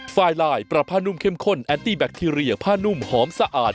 ไฟลายปรับผ้านุ่มเข้มข้นแอนตี้แบคทีเรียผ้านุ่มหอมสะอาด